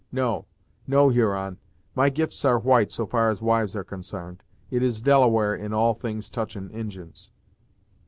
No no Huron; my gifts are white so far as wives are consarned; it is Delaware, in all things touchin' Injins."